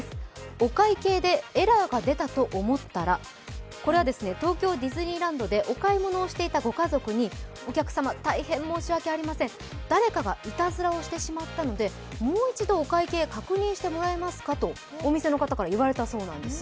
お会計でエラーが出たと思ったら、これは東京ディズニーランドでお買い物をしていたご家族にお客様、大変申し訳ありません、誰かがいたずらをしてしまったのでもう一度お会計、確認してもらえますかとお店の方から言われたそうなんです。